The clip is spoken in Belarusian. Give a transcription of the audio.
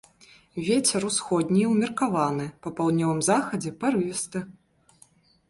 Вецер усходні ўмеркаваны, па паўднёвым захадзе парывісты.